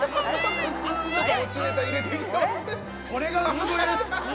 これが産声です。